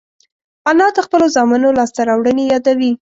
انا د خپلو زامنو لاسته راوړنې یادوي